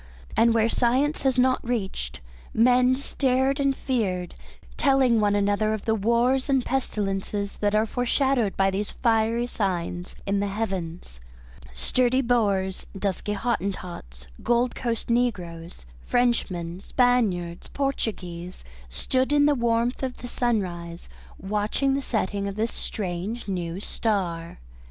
And where science has not reached, men stared and feared, telling one another of the wars and pestilences that are foreshadowed by these fiery signs in the Heavens. Sturdy Boers, dusky Hottentots, Gold Coast negroes, Frenchmen, Spaniards, Portuguese, stood in the warmth of the sunrise watching the setting of this strange new star.